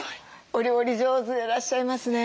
お料理上手でいらっしゃいますね。